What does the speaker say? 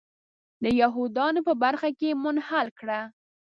د یهودانو په برخه کې منحل کړه.